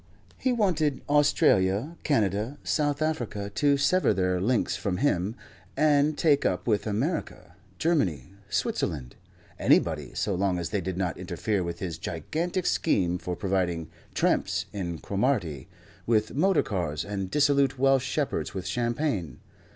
He wanted Australia, Canada, South Africa, to sever their links from him and take up with America, Germany, Switzerland anybody so long as they did not interfere with his gigantic scheme for providing tramps in Cromarty with motor cars and dissolute Welsh shepherds with champagne.